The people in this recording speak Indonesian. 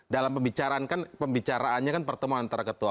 dalam pembicaraan kan pembicaraannya kan pertemuan antara pimpinan mpr dan mpr